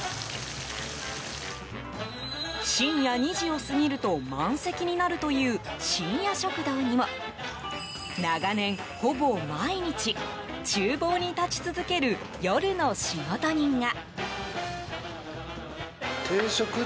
深夜２時を過ぎると満席になるという深夜食堂にも長年、ほぼ毎日厨房に立ち続ける夜の仕事人が。